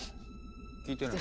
聞いてない。